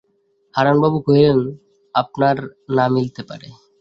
হারানবাবু কহিলেন, আপনার না মিলতে পারে।